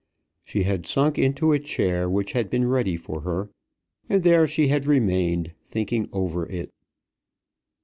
She had sunk into a chair which had been ready for her, and there she had remained thinking over it.